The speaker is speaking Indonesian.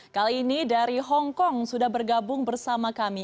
kali ini dari hongkong sudah bergabung bersama kami